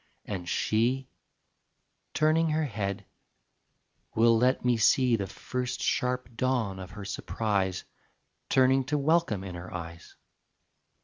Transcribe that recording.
And she, Turning her head, will let me see The first sharp dawn of her surprise Turning to welcome in her eyes.